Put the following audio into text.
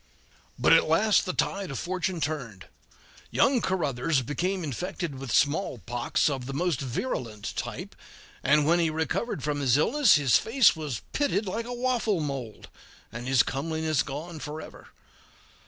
But at last the tide of fortune turned; young Caruthers became infect with smallpox of the most virulent type, and when he recovered from his illness his face was pitted like a waffle mold, and his comeliness gone forever.